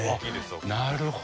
なるほど。